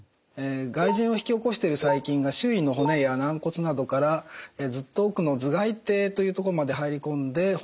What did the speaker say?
外耳炎を引き起こしている細菌が周囲の骨や軟骨などからずっと奥の頭がい底というところまで入り込んで骨を壊したりします。